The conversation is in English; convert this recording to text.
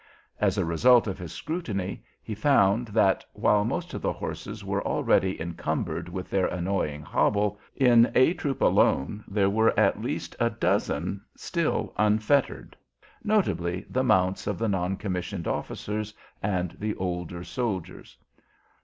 As a result of his scrutiny, he found that, while most of the horses were already encumbered with their annoying hobble, in "A" Troop alone there were at least a dozen still unfettered, notably the mounts of the non commissioned officers and the older soldiers.